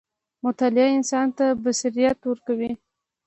• مطالعه انسان ته بصیرت ورکوي.